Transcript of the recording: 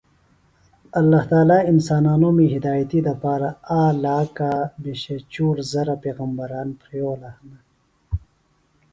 اللہ تعالیٰ انسانانومی ہدایتی دپارہ آک لاکا بھیشے چُور زرہ پیغمبران پھریلہ ہنہۡ۔